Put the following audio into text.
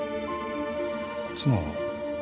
妻は？